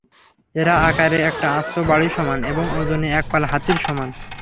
এরা আকারে একটা আস্ত বাড়ির সমান এবং ওজনে একপাল হাতির সমান।